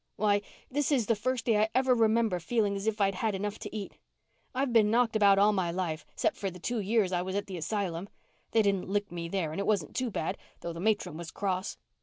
Why, this is the first day I ever remember of feeling 'sif I'd enough to eat. I've been knocked about all of my life, 'cept for the two years I was at the asylum. They didn't lick me there and it wasn't too bad, though the matron was cross.